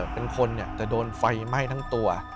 เป็นคนแต่โดนไฟไหม้ทั้งตัว